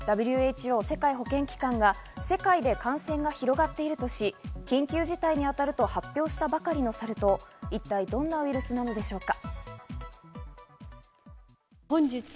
ＷＨＯ＝世界保健機関が世界で感染が広がっているとし、緊急事態にあたると発表したばかりのサル痘、一体どんなウイルスなのでしょうか。